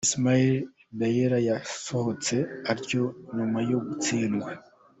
Ismaila Diarra yasohotse atya nyuma yo gutsindwa .